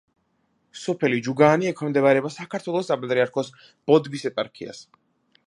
სოფელი ჯუგაანი ექვემდებარება საქართველოს საპატრიარქოს ბოდბის ეპარქიას.